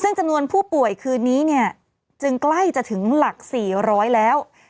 ซึ่งจำนวนผู้ป่วยคืนนี้เนี่ยจึงใกล้จะถึงหลัก๔๐๐แล้ว